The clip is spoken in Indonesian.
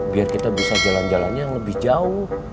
biar kita bisa jalan jalannya yang lebih jauh